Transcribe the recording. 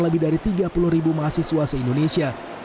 lebih dari tiga puluh ribu mahasiswa se indonesia